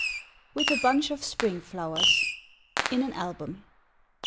WITH A BUNCH OF SPRING FLOWERS. (In an Album.)